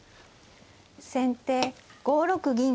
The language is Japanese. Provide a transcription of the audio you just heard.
先手５六銀。